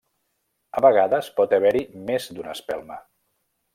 A vegades pot haver-hi més d'una espelma.